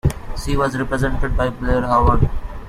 She was represented by Blair Howard.